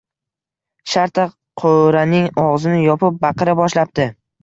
Shartta qo`raning og`zini yopib, baqira boshlabdi